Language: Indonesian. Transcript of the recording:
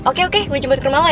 oke oke gue jemput ke rumah lo ya